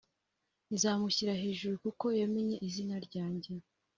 nzamushyira hejuru kuko yamenye izina ryanjye.